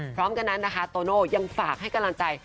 พร้อมกันนั้นนะคะโตโน่ยังฝากให้กำลังใจ